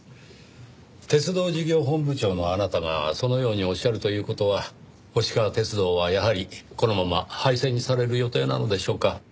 鉄道事業本部長のあなたがそのようにおっしゃるという事は星川鐵道はやはりこのまま廃線にされる予定なのでしょうか？